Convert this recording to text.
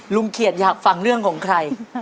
เขียนอยากฟังเรื่องของใคร